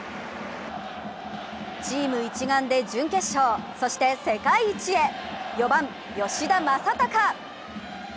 チーム一丸で準決勝そして世界一へ４番・吉田正尚。